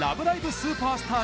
スーパースター